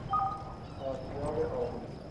آسیاب آبی